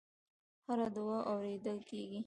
هره دعا اورېدل کېږي.